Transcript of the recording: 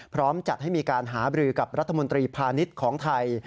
พร้อมจัดให้มีการหาบรือกับรัฐมนตรีพาณิชย์ของไทย